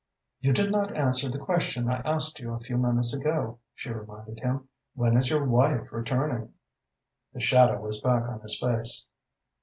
"You did not answer the question I asked you a few minutes ago," she reminded him. "When is your wife returning?" The shadow was back on his face.